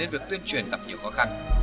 việc tuyên truyền đập nhiều khó khăn